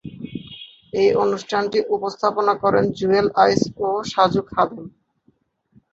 এই অনুষ্ঠানটি উপস্থাপনা করেন জুয়েল আইচ ও সাজু খাদেম।